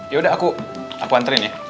yaudah aku anterin ya